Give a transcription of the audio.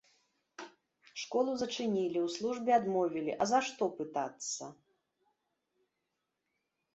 Школу зачынілі, у службе адмовілі, а за што, пытацца?!